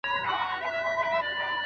آیا ریښتیا تر درواغو روښانه دي؟